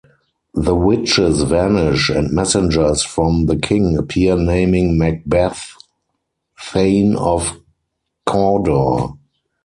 The witches vanish, and messengers from the king appear naming Macbeth Thane of Cawdor.